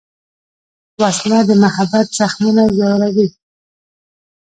وسله د محبت زخمونه ژوروي